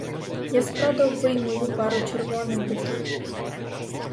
Я спродав би й мою пару червоних биків.